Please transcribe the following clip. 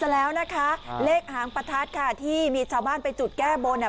แล้วนะคะเลขหางประทัดค่ะที่มีชาวบ้านไปจุดแก้บนอ่ะ